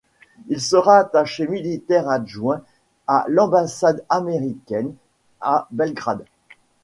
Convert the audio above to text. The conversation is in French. Il sera attaché militaire adjoint à l'ambassade américaine à Belgrade.